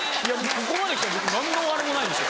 ここまできたら別に何のあれもないでしょ。